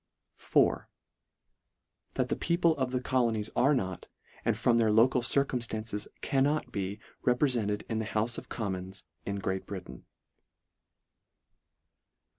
IV. " That the people of the colonies are not, and from their local circumStances cannot be reprefented in the Houfe of Com mons, in Great Britain."